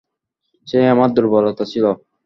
সে আমার দূর্বলতা ছিল।